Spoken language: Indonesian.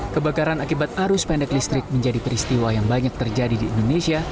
kebakaran akibat arus pendek listrik menjadi peristiwa yang banyak terjadi di indonesia